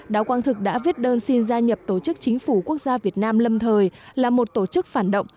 đào quang thực đã viết đơn xin gia nhập tổ chức chính phủ quốc gia việt nam lâm thời là một tổ chức phản động